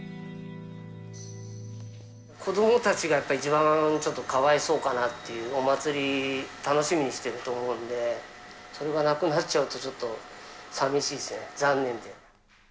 子どもたちがやっぱ一番、ちょっとかわいそうかなと、お祭り、楽しみにしてると思うんで、それがなくなっちゃうと、ちょっとさみしいですね、残念で。